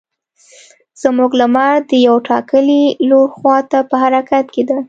زموږ لمر د یو ټاکلي لور خوا ته په حرکت کې ده.